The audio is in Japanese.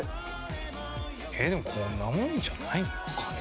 でもこんなもんじゃないのかい？